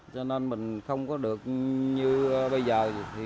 cho nên mình không có được như bây giờ